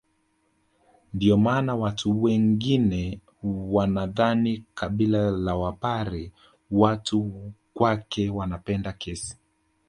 Ndio maana watu wengine wanadhani kabila la wapare watu kwake wanapenda kesi